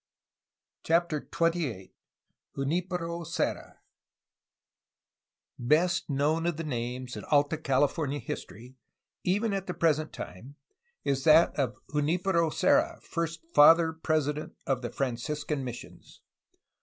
CHAPTER XXVIII JUNIPERO SERRA Best known of the names in Alt a California history, even at the present time, is that of Junfpero Serra, first Father President of the Franciscan missions.